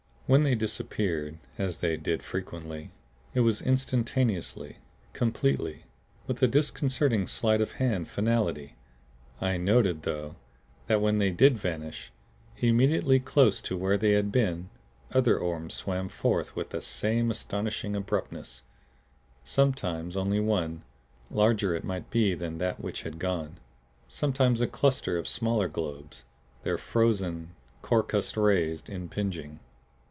When they disappeared, as they did frequently, it was instantaneously, completely, with a disconcerting sleight of hand finality. I noted, though, that when they did vanish, immediately close to where they had been other orbs swam forth with that same astonishing abruptness; sometimes only one, larger it might be than that which had gone; sometimes a cluster of smaller globes, their frozen, crocused rays impinging.